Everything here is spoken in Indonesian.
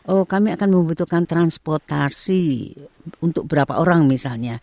oh kami akan membutuhkan transportasi untuk berapa orang misalnya